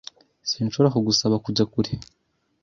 Sinshobora kugusaba kujya kure.